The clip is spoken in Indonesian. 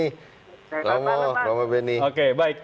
selamat malam mas